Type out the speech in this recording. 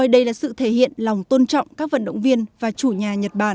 để thể hiện lòng tôn trọng các vận động viên và chủ nhà nhật bản